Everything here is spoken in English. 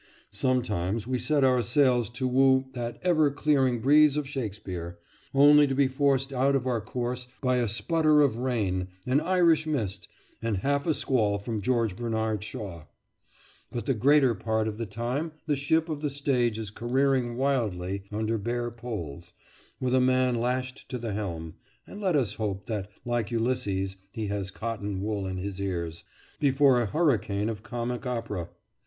Sometimes we set our sails to woo that ever clearing breeze of Shakespeare, only to be forced out of our course by a sputter of rain, an Irish mist, and half a squall from George Bernard Shaw; but the greater part of the time the ship of the stage is careering wildly under bare poles, with a man lashed to the helm (and let us hope that, like Ulysses, he has cotton wool in his ears), before a hurricane of comic opera.